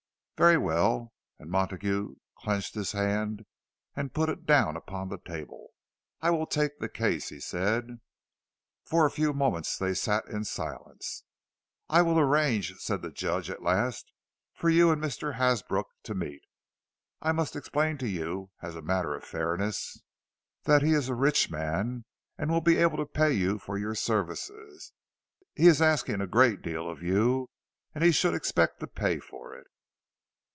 "Very well." And Montague clenched his hand, and put it down upon the table. "I will take the case," he said. For a few moments they sat in silence. "I will arrange," said the Judge, at last, "for you and Mr. Hasbrook to meet. I must explain to you, as a matter of fairness, that he is a rich man, and will be able to pay you for your services. He is asking a great deal of you, and he should expect to pay for it."